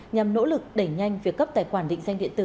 nhằm nỗ lực đẩy nhanh việc cấp tài khoản định danh điện tử